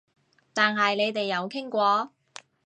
但係你哋有傾過？